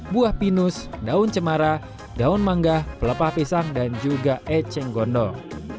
buah pinus daun cemara daun mangga pelepah pisang dan juga eceng gondong